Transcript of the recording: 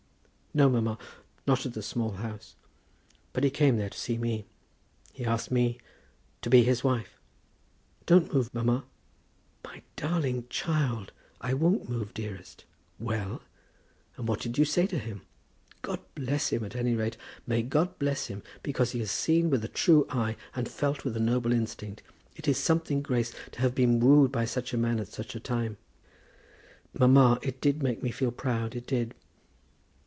"No, mamma; not at the Small House. But he came there to see me. He asked me to be his wife. Don't move, mamma." "My darling child! I won't move, dearest. Well; and what did you say to him? God bless him, at any rate. May God bless him, because he has seen with a true eye, and felt with a noble instinct. It is something, Grace, to have been wooed by such a man at such a time." "Mamma, it did make me feel proud; it did."